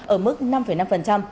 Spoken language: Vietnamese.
ở mức năm năm